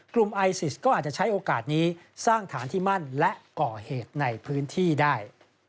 กลุ่มไอซิสก็อาจจะใช้โอกาสนี้สร้างฐานที่มั่นและก่อเหตุในพื้นที่ได้